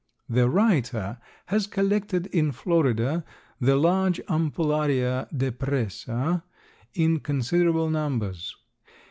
The writer has collected in Florida the large Ampullaria depressa in considerable numbers.